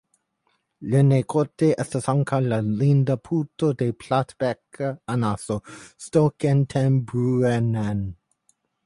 Lernejkorte estas ankaŭ la linda Puto de platbeka anaso (Stockentenbrunnen).